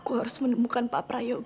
gue harus menemukan pak prayo